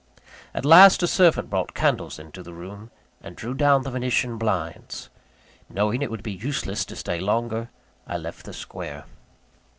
At last, a servant brought candles into the room, and drew down the Venetian blinds. Knowing it would be useless to stay longer, I left the square.